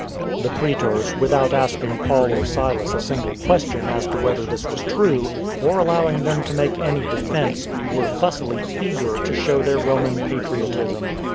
The praetors, without asking Paul or Silas a single question as to whether this was true, or allowing them to make any defence, were fussily eager to show their Roman patriotism.